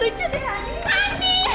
ih lucu deh honey